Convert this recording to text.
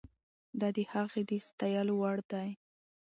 د ده هڅې د ستایلو وړ دي.